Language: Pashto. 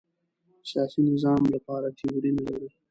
سیاسي نظام لپاره تیوري نه لري